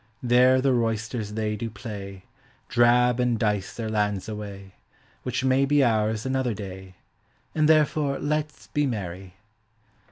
There the roysters they do play, Drab and dice their lands away, Which may be ours another day, And therefore let 's be merry.